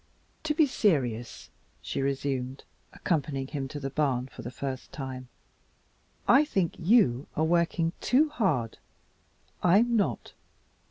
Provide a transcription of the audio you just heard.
"To be serious," she resumed, accompanying him to the barn for the first time, "I think YOU are working too hard. I'm not.